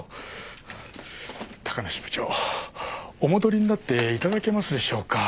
高梨部長お戻りになっていただけますでしょうか？